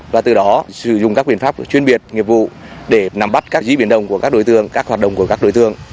và từ đó sử dụng các biện pháp chuyên biệt nghiệp vụ để nắm bắt các di biến động của các đối tượng các hoạt động của các đối tượng